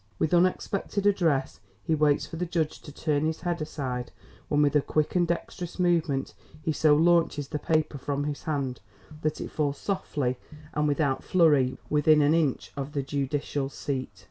With unexpected address, he waits for the judge to turn his head aside when with a quick and dextrous movement he so launches the paper from his hand that it falls softly and without flurry within an inch of the judicial seat.